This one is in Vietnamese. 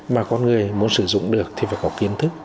mà con người muốn sử dụng được thì phải có kiến thức